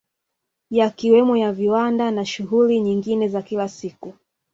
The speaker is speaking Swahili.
Yakiwemo ya viwanda na shughuli nyingine za kila siku